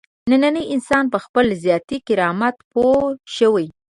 نننی انسان په خپل ذاتي کرامت پوه شوی.